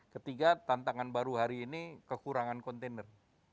ketiga tantangan baru hari ini kekurangan kontainer